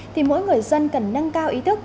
thì mỗi người dân cần nâng cao ý thức